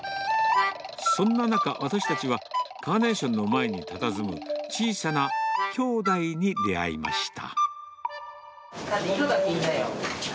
そんな中、私たちはカーネーションの前にたたずむ、小さな兄妹に出会いました。